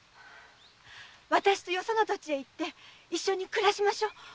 私とよその土地へ行って一緒に暮らしましょう。